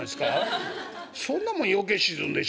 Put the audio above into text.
「そんなもん余計沈んでしまうがな」。